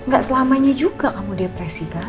gak selamanya juga kamu depresi kan